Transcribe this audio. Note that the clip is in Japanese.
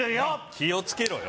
気をつけろよ